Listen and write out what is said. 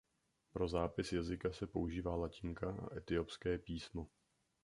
Pro zápis jazyka se používá latinka a etiopské písmo.